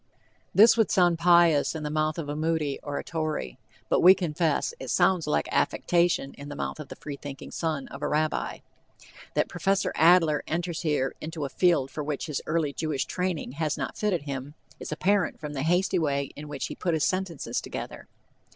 This would sound pious in the mouth of a Moody or a Torrey, but, we confess, it sounds like affectation in the mouth of the free thinking son of a rabbi. That Prof. Adler enters here into a field for which his early Jewish training has not fitted him, is apparent from the hasty way in which he has put his sentences together.